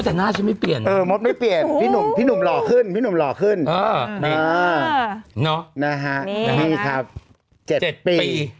แต่หน้าฉันไม่เปลี่ยนพี่หนุ่มหล่อขึ้นอ๋อนี่นี่ครับ๗ปี